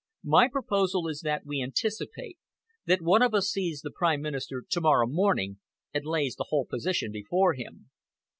My proposal is that we anticipate, that one of us sees the Prime Minister to morrow morning and lays the whole position before him."